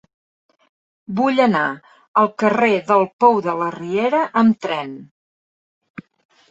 Vull anar al carrer del Pou de la Riera amb tren.